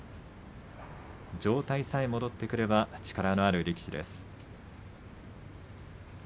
状態さえ戻ってくれば力のある力士です。